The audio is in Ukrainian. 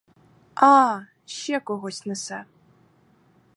А, ще когось несе.